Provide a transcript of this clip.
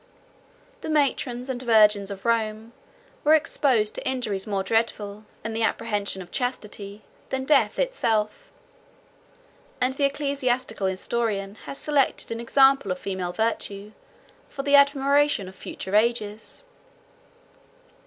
The matrons and virgins of Rome were exposed to injuries more dreadful, in the apprehension of chastity, than death itself; and the ecclesiastical historian has selected an example of female virtue, for the admiration of future ages.